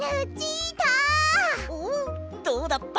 おおどうだった？